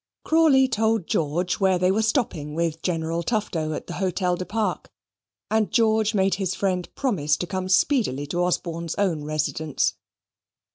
Crawley told George where they were stopping with General Tufto at the Hotel du Parc, and George made his friend promise to come speedily to Osborne's own residence.